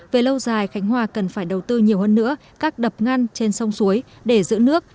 về lâu dài khánh hòa cần phải đầu tư nhiều hơn nữa các đập ngăn trên sông suối để giữ nước